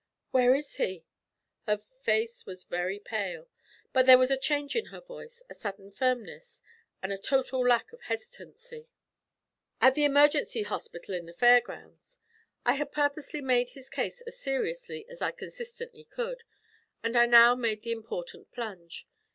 'Where is he?' Her face was very pale, but there was a change in her voice, a sudden firmness, and a total lack of hesitancy. 'At the Emergency Hospital in the Fair grounds.' I had purposely made his case as serious as I consistently could, and I now made the important plunge.